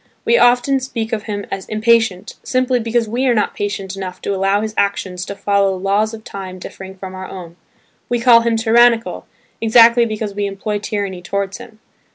We often speak of him as "impatient" simply because we are not patient enough to allow his actions to follow laws of time differing from our own; we call him "tyrannical" exactly because we employ tyranny towards him.